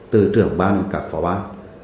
từ trưởng ban cả phó bác